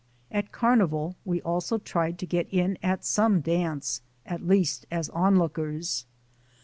At Carnival, we also tried to get in at some dance, at least as onlookers.